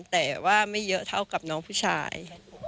แต่ว่าไม่เยอะเท่ากับน้องผู้ชาย